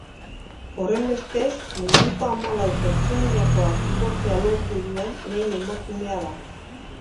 Horrenbestez, munduko hamalau zortzimilakoak igotzea lortzen duen lehen emakumea da.